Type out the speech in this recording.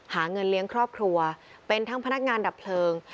หาเงินเลี้ยงครอบครัวเป็นทั้งพนักงานดับเพลิง